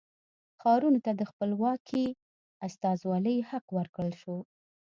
ښارونو ته د خپلواکې استازولۍ حق ورکړل شو.